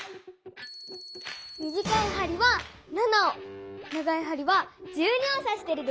短いはりは７を長いはりは１２をさしてるでしょ！